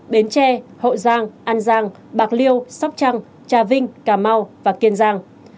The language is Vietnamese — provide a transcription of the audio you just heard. bến tre hậu giang an giang bạc liêu sóc trăng trà vinh cà mau và kiên giang